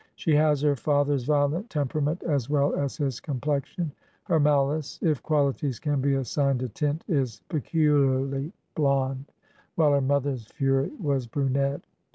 She has her father's violent temperament, as well as his complexion; her maUce, if quahties can be assigned a tint, is peculiarly blond, while her mother's fury was brunette.